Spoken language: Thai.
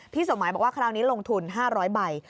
สมหมายบอกว่าคราวนี้ลงทุน๕๐๐ใบ